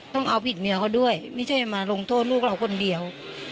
ต้องเอาผิดเมียเขาด้วยไม่ใช่มาลงโทษลูกเราคนเดียว